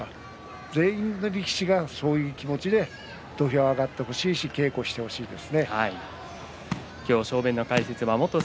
全員、力士がそういう気持ちで土俵に上がってほしいし稽古してほしいですね。